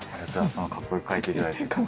そんなかっこよく描いていただいて。